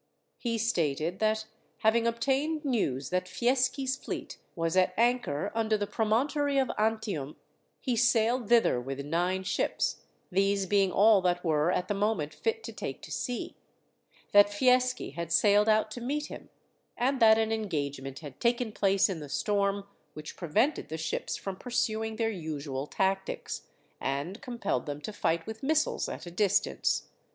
He stated that, having obtained news that Fieschi's fleet was at anchor under the promontory of Antium, he sailed thither with nine ships, these being all that were at the moment fit to take to sea; that Fieschi had sailed out to meet him, and that an engagement had taken place in the storm, which prevented the ships from pursuing their usual tactics, and compelled them to fight with missiles at a distance.